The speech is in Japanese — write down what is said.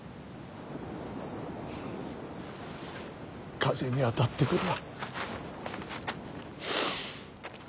風に当たってくるわ。